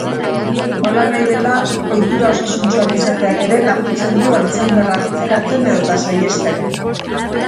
Nolanahi dela, ohitura osasuntsuak izateak ere laguntzen du alzheimerra atzeratzen edota saihesten.